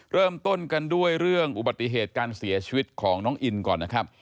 เริ่มต้นกันด้วยเรื่องอุบัติเหตุการเสียชีวิตของน้องอินก่อนนะครับ